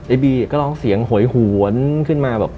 ไอ้บี๊ก็ลองเสียงก็หวยหวนขึ้นมา